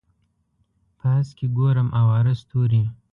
په هسک کې ګورم اواره ستوري